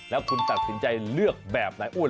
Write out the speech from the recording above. แล้วคุณตัดสินใจเลือกแบบไหนอ้วน